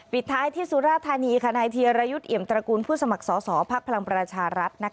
ปิดท้ายที่สุราธานีนายเทียรยุทธ์เอี่ยมตระกูลผู้สมัครสอสอภักดิ์พลังประชารัฐ